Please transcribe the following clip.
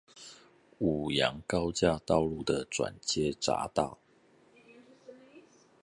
五楊高架道路的轉接匝道